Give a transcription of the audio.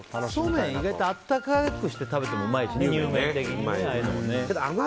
そうめんって意外と温かくして食べてもおいしいよね。